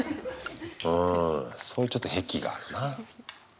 うん、そういうちょっと癖があるな。